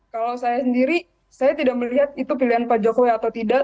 kalau saya sendiri saya tidak melihat itu pilihan pak jokowi atau tidak